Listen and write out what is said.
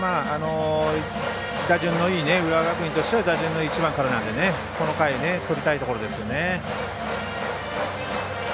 打順のいい、浦和学院としては１番からなのでこの回、とりたいところですね。